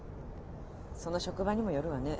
その職場にもよるわね。